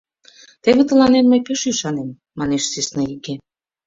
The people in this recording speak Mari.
— Теве тыланет мый пеш ӱшанем! — манеш сӧснаиге.